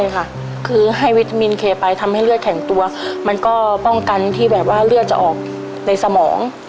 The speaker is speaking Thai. ใช่ค่ะคือให้วิตามินเคไปทำให้เลือดแข็งตัวมันก็ป้องกันที่แบบว่าเลือดจะออกในสมอง